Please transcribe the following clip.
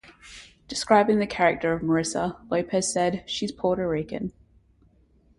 Describing the character of Marisa, Lopez said: She's Puerto Rican.